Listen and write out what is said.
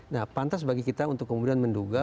nah pantas bagi kita untuk kemudian menduga